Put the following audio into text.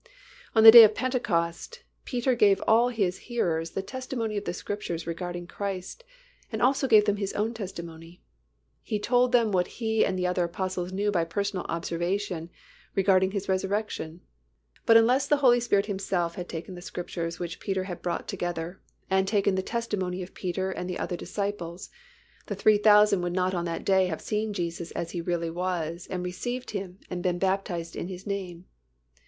On the day of Pentecost, Peter gave all his hearers the testimony of the Scriptures regarding Christ and also gave them his own testimony; he told them what he and the other Apostles knew by personal observation regarding His resurrection, but unless the Holy Spirit Himself had taken the Scriptures which Peter had brought together and taken the testimony of Peter and the other disciples, the 3,000 would not on that day have seen Jesus as He really was and received Him and been baptized in His name.